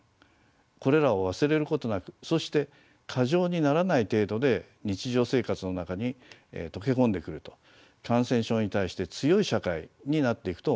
これらを忘れることなくそして過剰にならない程度で日常生活の中に溶け込んでくると感染症に対して強い社会になっていくと思います。